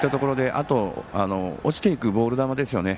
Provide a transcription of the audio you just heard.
あとは落ちていくボール球ですよね。